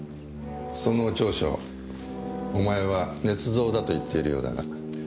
その調書お前は捏造だと言っているようだが。